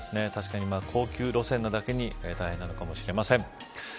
確かに、高級路線なだけに大変なのかもしれません。